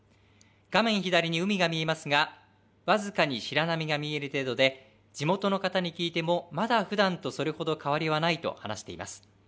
画面左に海が見えますが僅かに白波が見える程度で地元の方に聞いても、まだふだんとそれほど変わりはないと話しています。